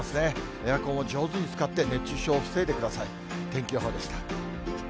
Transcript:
エアコンを上手に使って、熱中症を防いでください。